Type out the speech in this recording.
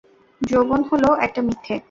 যৌবন হল একটা মিথ্যে।